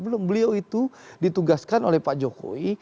belum beliau itu ditugaskan oleh pak jokowi